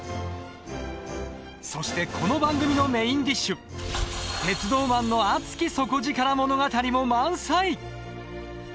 そしてこの番組のメインディッシュ「鉄道マンの熱き底力物語」も満載。